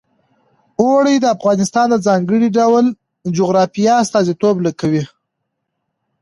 اوړي د افغانستان د ځانګړي ډول جغرافیه استازیتوب کوي.